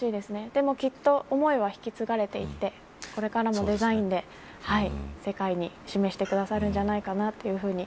でも、きっと思いは引き継がれていってこれからのデザインで世界で示してくださるんじゃないかなというふうに。